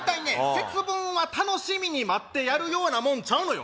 節分は楽しみに待ってやるようなもんちゃうのよ